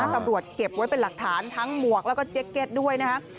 ตำรวจเก็บไว้เป็นหลักฐานทั้งหมวกแล้วก็แจ็กเก็ตด้วยนะครับ